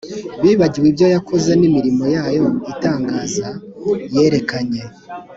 bibagiwe ibyo yakoze n imirimo yayo itangaza yerekanye